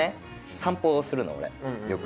散歩をするの俺よく。